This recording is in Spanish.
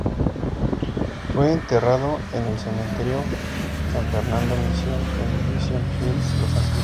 Fue enterrado en el Cementerio San Fernando Misión en Mission Hills, Los Ángeles, California.